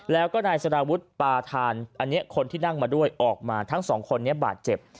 แล้วก็นายสารวุฒิปาธานอันนี้คนที่นั่งมาด้วยออกมาทั้งสองคนนี้บาดเจ็บ